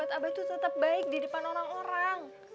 dan martabat abah itu tetep baik di depan orang orang